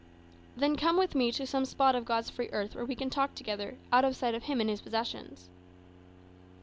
"Then come with me to some spot of God's free earth where we can talk together, out of sight of him and his possessions."